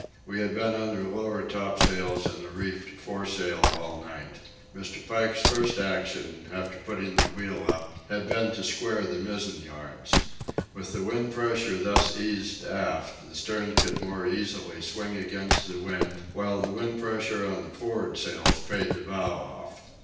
We had been under lower topsails and a reefed foresail all night. Mr. Pike's first action, after putting the wheel up, had been to square the mizzen yards. With the wind pressure thus eased aft, the stern could more easily swing against the wind while the wind pressure on the for'ard sails paid the bow off.